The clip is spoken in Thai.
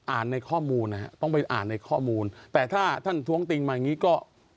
ในข้อมูลนะฮะต้องไปอ่านในข้อมูลแต่ถ้าท่านท้วงติงมาอย่างนี้ก็